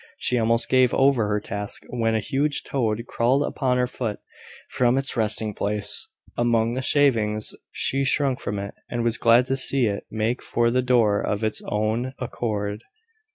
She almost gave over her task when a huge toad crawled upon her foot from its resting place among the shavings. She shrunk from it, and was glad to see it make for the door of its own accord.